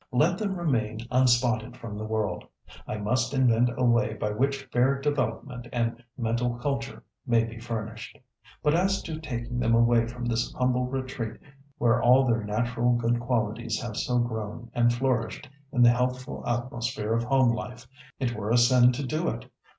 Let them remain unspotted from the world. I must invent a way by which fair development and mental culture may be furnished. But as to taking them away from this humble retreat where all their natural good qualities have so grown and flourished in the healthful atmosphere of home life, it were a sin to do it.